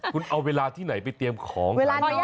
คุณเอาเวลาที่ไหนไปเตรียมของ